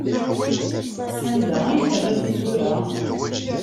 Sanda ay terra tisura?